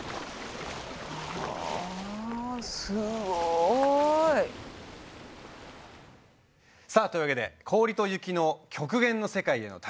はあすごい！さあというわけで氷と雪の極限の世界への旅。